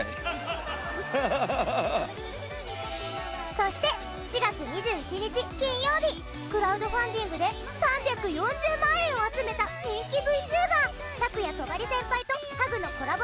そして４月２１日金曜日クラウドファンディングで３４０万円を集めた人気ＶＴｕｂｅｒ朔夜トバリ先輩とハグのコラボ